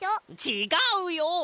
ちがうよ！